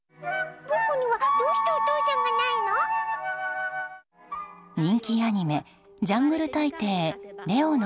僕にはどうしてお父さんがいないの？